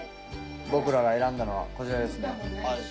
僕らが選んだのはこちらですね。